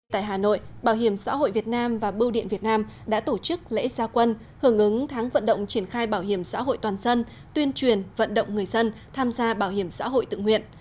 tại hà nội bảo hiểm xã hội việt nam và bưu điện việt nam đã tổ chức lễ gia quân hưởng ứng tháng vận động triển khai bảo hiểm xã hội toàn dân tuyên truyền vận động người dân tham gia bảo hiểm xã hội tự nguyện